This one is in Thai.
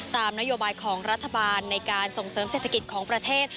ตามนโยบายของรัฐบาลในการส่งเสริมเศรษฐกิจของประเทศ